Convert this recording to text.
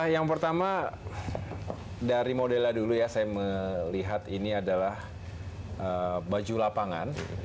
yang pertama dari modelnya dulu ya saya melihat ini adalah baju lapangan